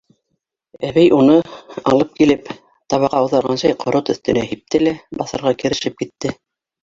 Әбей уны, алып килеп, табаҡҡа ауҙарған сей ҡорот өҫтөнә һипте лә баҫырға керешеп китте.